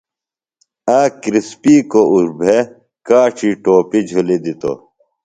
آک کرِسپیکوۡ اُربھے کاڇی ٹوپیۡ جُھلیۡ دِتوۡ۔